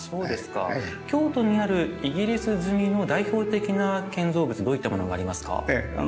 京都にあるイギリス積みの代表的な建造物どういったものがありますか？